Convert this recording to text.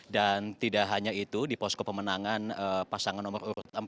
dan tidak hanya itu di posko pemenangan pasangan nomor urut empat